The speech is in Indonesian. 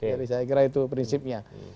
jadi saya kira itu prinsipnya